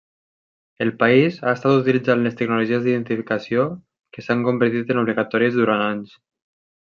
El país ha estat utilitzant les tecnologies d'identificació que s'han convertit en obligatòries durant anys.